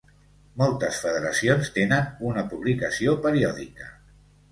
Moltes federacions tenen una publicació periòdica.